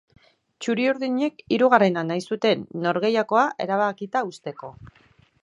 Txuri-urdinek hirugarrena nahi zuten norgehiagoka erabakita uzteko.